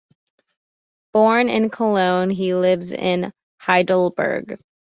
Born in Cologne, he lives in Heidelberg.